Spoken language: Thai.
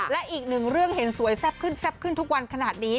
และอีกหนึ่งเรื่องเห็นสวยแซ่บขึ้นแซ่บขึ้นทุกวันขนาดนี้